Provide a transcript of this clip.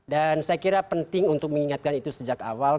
dan saya kira penting untuk mengingatkan itu sejak awal